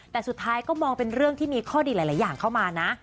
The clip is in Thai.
แต่สุดท้ายก็มองเป็นเรื่องที่มีข้อดีหลายอย่างเข้ามานะ